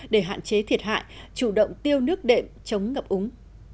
để hạn chế thiệt hại chủ động tiêu nước đệm chống ngập úng